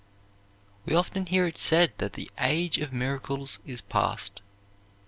We often hear it said that the age of miracles is past.